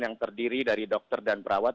yang terdiri dari dokter dan perawat